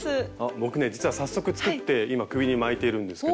僕ね実は早速作って今首に巻いているんですけど。